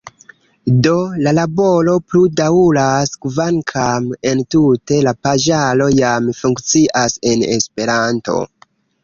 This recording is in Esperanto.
Do, la laboro plu daŭras, kvankam entute la paĝaro jam funkcias en Esperanto.